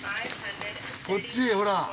こっちほら。